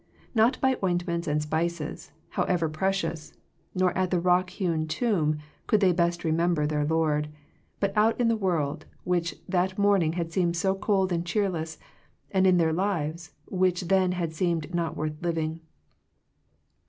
Not by ointments and spices, however precious, nor at the rock hewn tomb, could they best remem ber their Lord; but out in the world, which that morning had seemed so cold and cheerless, and in their lives, which then had seemed not worth living.